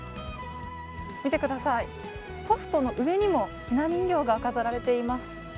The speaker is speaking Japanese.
見てください、ポストの上にもひな人形が飾られています。